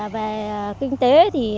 về kinh tế